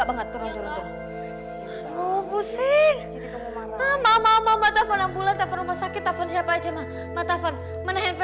enggak banget turun turun oh pusing mama mama